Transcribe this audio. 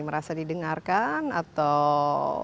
merasa didengarkan atau